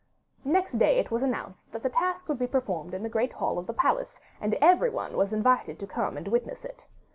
Next day it was announced that the task would be performed in the great hall of the palace, and everyone was invited to come and witness it.